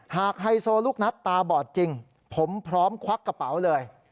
ไฮโซลูกนัดตาบอดจริงผมพร้อมควักกระเป๋าเลย